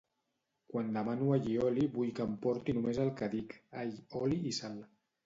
Quan demano allioli vull que porti només el que dic all oli i sal